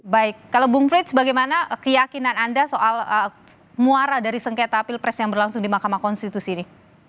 baik kalau bung frits bagaimana keyakinan anda soal muara dari sengketa pilpres yang berlangsung di mahkamah konstitusi ini